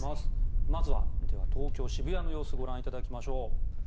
まずは東京・渋谷の様子ご覧いただきましょう。